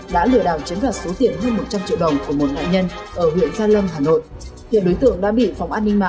đã lừa đảo chiếm đoạt số tiền hơn một trăm linh triệu đồng của một nạn nhân ở huyện gia lâm hà nội